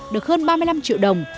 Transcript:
được hơn ba mươi năm triệu đồng